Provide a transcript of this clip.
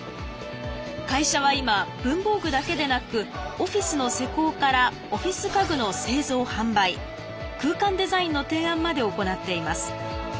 会社は今文房具だけでなくオフィスの施工からオフィス家具の製造・販売空間デザインの提案まで行っています。